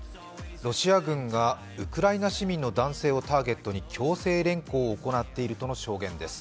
ロシア軍がウクライナ市民の男性をターゲットに強制連行を行っているとの証言です。